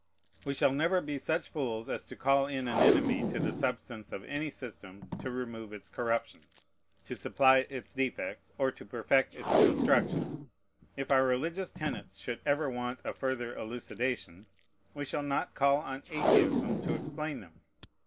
We shall never be such fools as to call in an enemy to the substance of any system to remove its corruptions, to supply its defects, or to perfect its construction. If our religious tenets should ever want a further elucidation, we shall not call on Atheism to explain them.